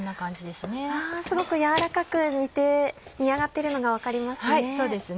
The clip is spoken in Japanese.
すごく軟らかく煮上がってるのが分かりますね。